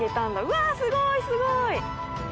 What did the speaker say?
うわあすごいすごい！